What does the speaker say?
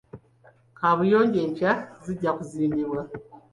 Kabuyonjo empya zijja kuzimbibwa.